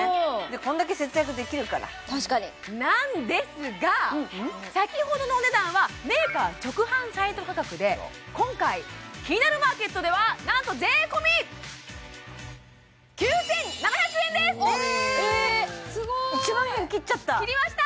こんだけ節約できるから確かになんですが先ほどのお値段はメーカー直販サイト価格で今回「キニナルマーケット」ではなんと税込えすごい１万円切っちゃった切りました！